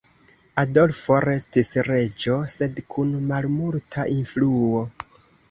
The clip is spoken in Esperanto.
Adolfo restis reĝo, sed kun malmulta influo.